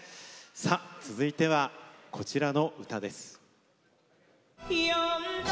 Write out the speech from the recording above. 続いてはこちらの歌です。